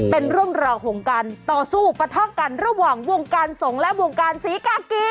เป็นเรื่องราวของการต่อสู้ปะทะกันระหว่างวงการสงฆ์และวงการศรีกากี